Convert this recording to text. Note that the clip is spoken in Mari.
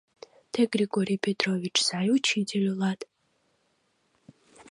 — Тый, Григорий Петрович, сай учитель улат.